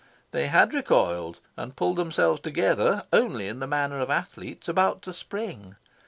They had recoiled, and pulled themselves together, only in the manner of athletes about to spring.